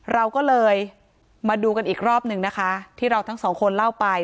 เราก็เลยมาดูกันอีกรอบหนึ่งนะคะที่เราทั้งสองคนเล่าไป